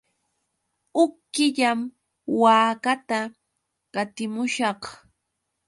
Huk killam waakata qatimushaq.